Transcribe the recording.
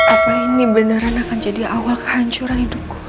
apa ini beneran akan jadi awal kehancuran hidup gue